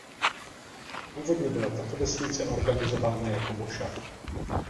Původně byla tato vesnice organizována jako mošav.